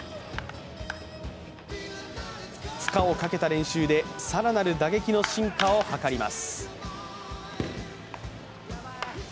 負荷をかけた練習で更なる打撃の進化を図ります。